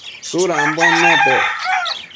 Tsudambuen nepec ?